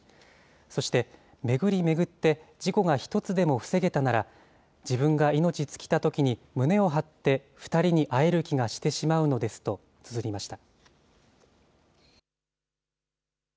そして、巡り巡って、事故が１つでも防げたなら、自分が命尽きたときに胸を張って２人に会える気がしてしまうのですとつづりました。